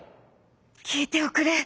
「きいておくれ！